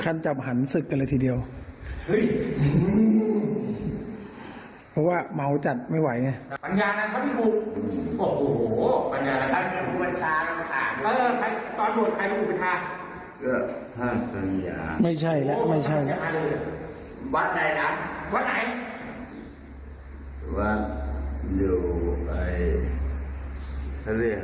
เพราะว่าเมาให้จัดไม่ไหวฟัญญานานก็ได้ถูก